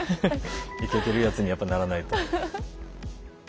イケてるやつにやっぱならないと。